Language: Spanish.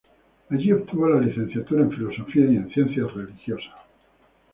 Allí obtuvo la Licenciatura en Filosofía y en Ciencias Religiosas.